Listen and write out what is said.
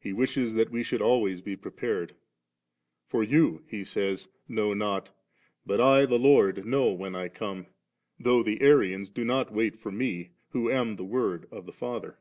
He wishes that we should always be prepared ; *for you,' He sa3rs, 'know not; but I, the Lord, know when I come, though the Arians do not wait for Me, who am the Word of the Father.'